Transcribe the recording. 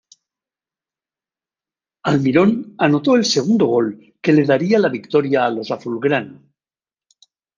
Almirón anotó el segundo gol que le daría la victoria a los azulgrana.